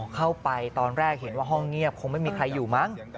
เข้าไปตอนแรกเห็นว่าห้องเงียบคงไม่มีใครอยู่มั้ง